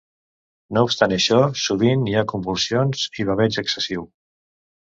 No obstant això, sovint hi ha convulsions i baveig excessiu.